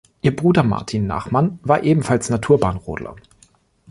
Ihr Bruder Martin Nachmann war ebenfalls Naturbahnrodler.